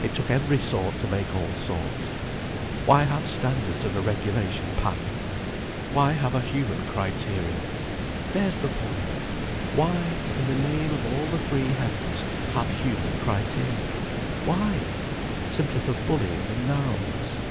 It took every sort to make all sorts. Why have standards and a regulation pattern? Why have a human criterion? There's the point! Why, in the name of all the free heavens, have human criteria? Why? Simply for bullying and narrowness.